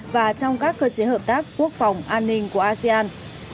và trong các cơ chế hợp tác quốc phòng an ninh của asean